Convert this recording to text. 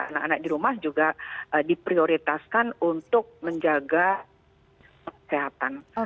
anak anak di rumah juga diprioritaskan untuk menjaga kesehatan